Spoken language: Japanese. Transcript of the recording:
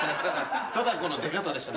貞子の出方でした。